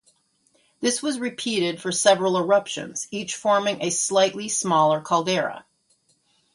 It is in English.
This was repeated for several eruptions; each forming a slightly smaller caldera.